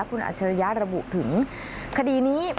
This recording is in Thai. คุณอัจฉริยะระบุถึงคดีนี้